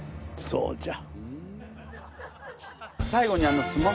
どうじゃ？